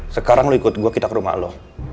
sekarang lo ikut gue kita ke rumah lo